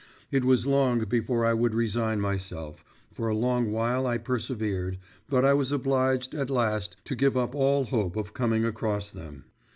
It was long before I would resign myself, for a long while I persevered, but I was obliged, at last, to give up all hope of coming across them.